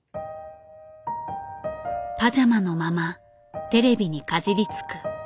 パジャマのままテレビにかじりつく。